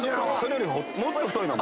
もっと太いのも。